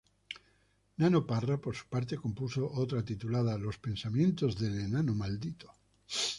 Nano Parra, por su parte, compuso otra, titulada "Los pensamientos del Enano Maldito".